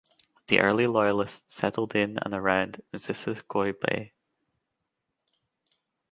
The early loyalists settled in and around Missisquoi Bay.